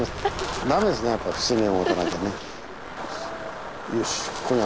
駄目ですねやっぱ節目を持たなきゃね。